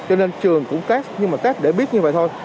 cho nên trường cũng test nhưng mà test để biết như vậy thôi